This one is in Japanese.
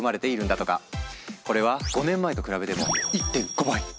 これは５年前と比べても１．５倍。